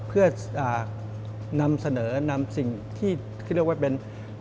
เพื่อนำเสนอนำสิ่งที่เขาเรียกว่าเป็น